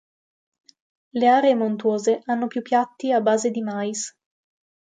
Le aree montuose hanno più piatti a base di mais.